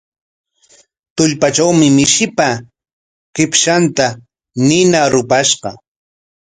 Tullpatrawmi mishipa qipshanta nina rupashqa.